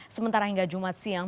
sementara hingga jumat siang